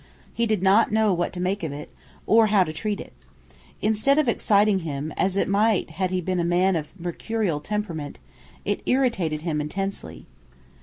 He did not know what to make of it, or how to treat it. Instead of exciting him, as it might had he been a man of mercurial temperament, it irritated him intensely.